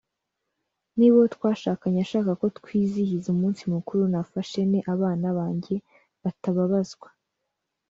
niba uwo twashakanye ashaka ko twizihiza umunsi mukuru nafasha nte abana banjye batababazwa